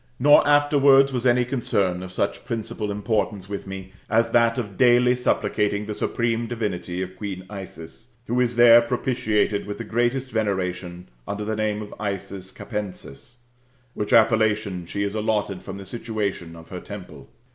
Nor afterwards was any concern of such principal importance with me, as that of daily supplicating the supreme divinity of Queen Isis ; who is there propitiated with the greatest veneration under the name of Isis Campensis,'^ which appellation she is allotted, from the situation of her temple.